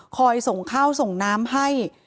ส่งข้าวส่งน้ำให้